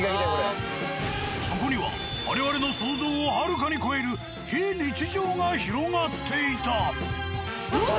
そこには我々の想像をはるかに超える非日常が広がっていた。